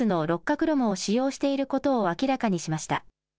クロムを使用していることを明らかにしました。